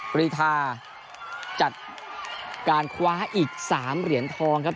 กรีธาจัดการคว้าอีก๓เหรียญทองครับ